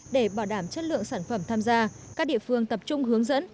để bảo đảm chất lượng sản phẩm tham gia các địa phương tập trung hướng dẫn